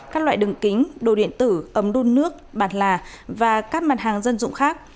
các loại đường kính đồ điện tử ấm đun nước bạt là và các mặt hàng dân dụng khác